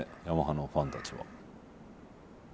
ヤマハのファンたちは。